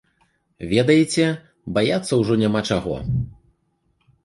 Ведаеце, баяцца ўжо няма чаго.